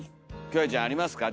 キョエちゃんありますか？